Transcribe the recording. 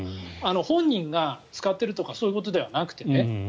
本人が使ってるとかそういうことではなくてね。